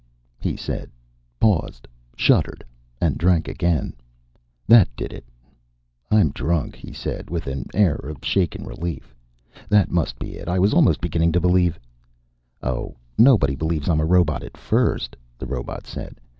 "F(t) " he said, paused, shuddered, and drank again. That did it. "I'm drunk," he said with an air of shaken relief. "That must be it. I was almost beginning to believe " "Oh, nobody believes I'm a robot at first," the robot said.